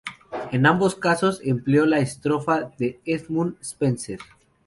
En ambos casos, empleó la estrofa de Edmund Spenser.